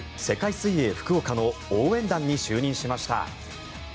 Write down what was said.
水泳福岡の応援団に就任しました。